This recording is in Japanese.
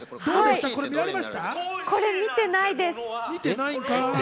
これ、見てないです。